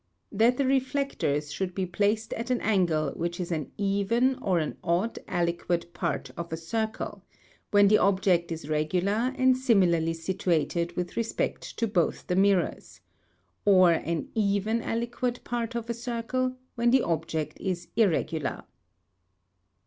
That the reflectors should be placed at an angle which is an even or an odd aliquot part of a circle, when the object is regular and similarly situated with respect CHAP. XLIX. ON THE KALEIDOSCOPE. 445 to both the mirrors ; or an even aliquot part of a circle, when the object is irregular.